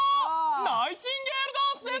ナイチンゲールダンスです。